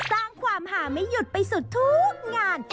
สร้างความหาไม่หยุดไปสุดทุกงาน